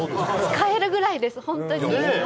使えるぐらいです、本当に。